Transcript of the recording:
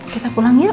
kita pulang yuk